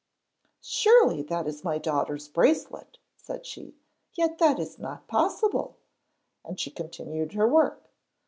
'Surely that is my daughter's bracelet,' said she. 'Yet that is not possible!' And she continued her work.